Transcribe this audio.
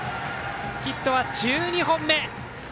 ヒットは１２本目。